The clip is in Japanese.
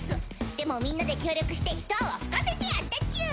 でもみんなで協力して一泡吹かせてやったチュン！